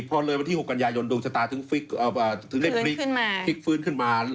พอเลยวันที่๖กันยายนดวงชะตาถึงได้พลิกฟื้นขึ้นมา